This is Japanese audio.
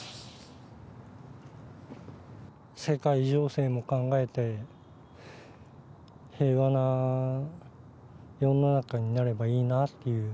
世界情勢も考えて、平和な世の中になればいいなっていう。